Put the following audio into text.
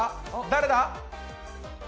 誰だ？